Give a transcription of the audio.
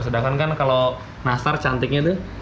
sedangkan kan kalau nastar cantiknya tuh